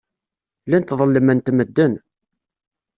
Llant ḍellment medden.